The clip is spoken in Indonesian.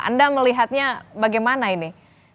anda melihatnya bagaimana ini